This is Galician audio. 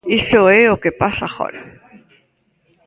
Iso é o que pasa agora.